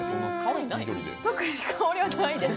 特に香りはないです。